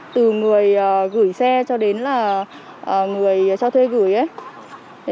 từ người gửi xe cho đến là người cho thuê gửi ấy